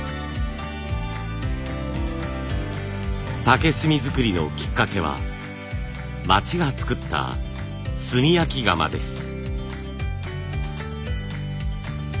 竹炭づくりのきっかけは町がつくった炭焼き窯です。